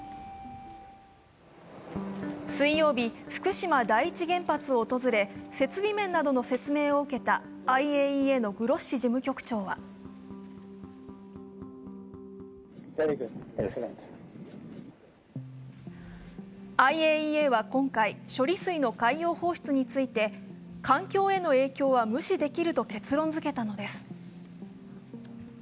水曜日、福島第一原発を訪れ設備面などの説明を受けたＩＡＥＡのグロッシ事務局長はＩＡＥＡは今回、処理水の海洋放出について環境への影響は無視できると結論付けたのです。